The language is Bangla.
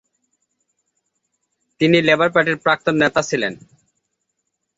তিনি লেবার পার্টির প্রাক্তন নেতা ছিলেন।